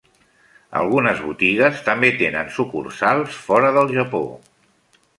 Algunes botigues també tenen sucursals fora del Japó.